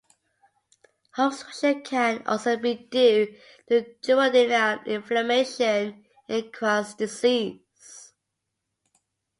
Obstruction can also be due to duodenal inflammation in Crohn's disease.